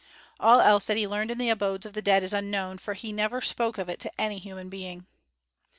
All else that he learned in the abodes of the dead is unknown, for he never spoke of it to any human being.